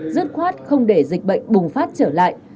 dứt khoát không để dịch bệnh bùng phát trở lại